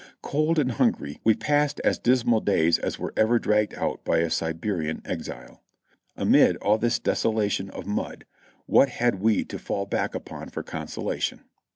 Cold and hungry, we passed as dismal days as were ever dragged out by a Siberian exile. Amid all this desolation of mud, what had we to fall back upon for consolation?